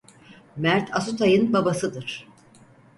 Mert Asutay'ın babasıdır.